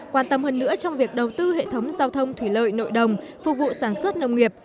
quan tâm hơn nữa trong việc đầu tư hệ thống giao thông thủy lợi nội đồng phục vụ sản xuất nông nghiệp